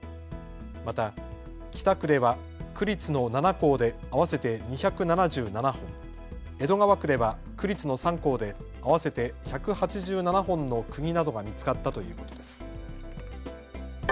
また北区では区立の７校で合わせて２７７本、江戸川区では区立の３校で合わせて１８７本のくぎなどが見つかったということです。